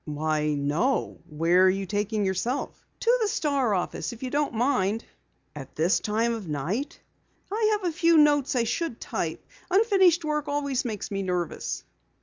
"Why, no. Where are you taking yourself?" "To the Star office, if you don't mind." "At this time of night?" "I have a few notes I should type. Unfinished work always makes me nervous."